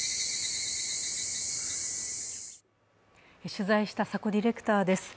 取材した佐古ディレクターです。